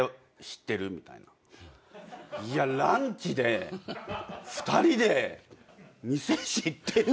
いやランチで２人で「店知ってる？」